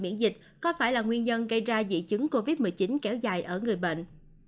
miễn dịch có phải là nguyên nhân gây ra dị chứng covid một mươi chín kéo dài ở người bệnh